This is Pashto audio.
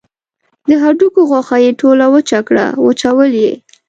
د هډوکو غوښه یې ټوله وچه کړه وچول یې.